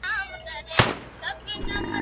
دا ستونزه د ليک له لارې ښکاري.